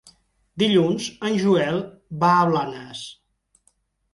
Dilluns en Joel va a Blanes.